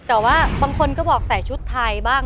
แต่ว่าบางคนก็บอกใส่ชุดไทยบ้าง